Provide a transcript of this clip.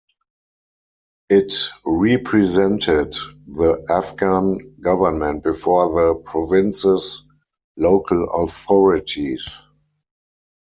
It represented the Afghan government before the Province's local authorities.